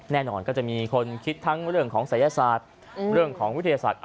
แน่นอนก็จะมีคนคิดทั้งเรื่องของศัยศาสตร์เรื่องของวิทยาศาสตร์